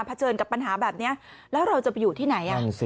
เจิญกับปัญหาแบบนี้แล้วเราจะไปอยู่ที่ไหน